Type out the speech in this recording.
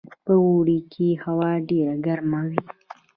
په اوړي کې هوا ډیره ګرمه وي